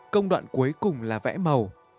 công đoạn cuối cùng là vẽ màu